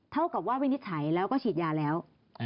เท่ากับว่าวินิจฉัยแล้วก็ฉีดยาแล้ว